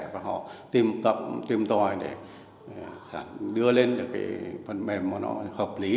và họ tìm tòi để đưa lên được cái phần mềm mà nó hợp lý